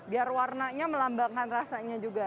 biar warnanya melambangkan rasanya juga